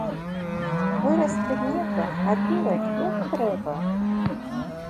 Вырас пад неба, а дурань як трэба